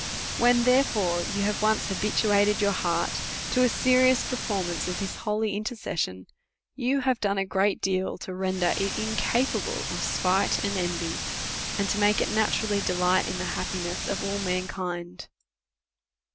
When, therefore, you have once habituated your heart to a serious performance of this holy intercession, you have done a great deal to render it incapable of spite and envy, and to make it naturally delight in the happiness of all mankind.